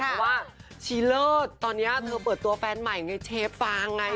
เพราะว่าชีเลิศตอนนี้เธอเปิดตัวแฟนใหม่ไงเชฟฟางไง